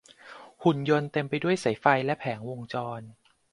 หุ่นยนต์เต็มไปด้วยสายไฟและแผงวงจร